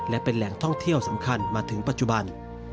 และเป็นแหล่งท่องเที่ยวสำคัญมาถึงปัจจุบัน